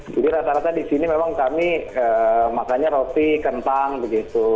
jadi rata rata di sini memang kami makannya roti kentang begitu